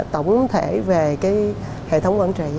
tổng thể về cái hệ thống ẩn trị